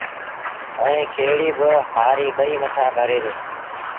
ائيٚݩ کيڙيٚ با هآريٚ ٻئيٚ مٿآ ڀري دو